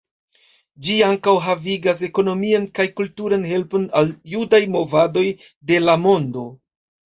Ĝi ankaŭ havigas ekonomian kaj kulturan helpon al judaj movadoj de la mondo.